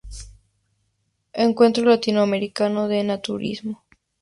Encuentro Latinoamericano de Naturismo.